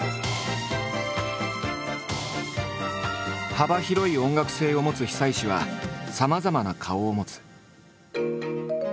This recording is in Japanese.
幅広い音楽性を持つ久石はさまざまな顔を持つ。